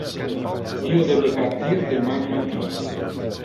Io debe partir deman matino.